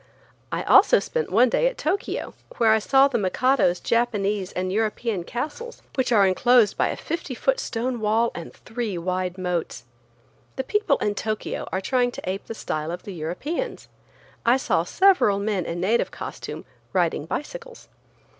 I also spent one day at Tokio, where I saw the Mikado's Japanese and European castles, which are enclosed by a fifty foot stone wall and three wide moats. The people in Tokio are trying to ape the style of the Europeans. I saw several men in native costume riding bicycles.